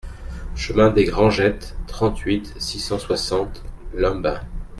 Chemin des Grangettes, trente-huit, six cent soixante Lumbin